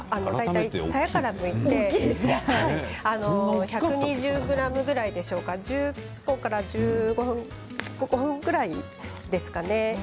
さやからむいて１２０ｇぐらいでしょうか１０個から１５個ぐらいですかね。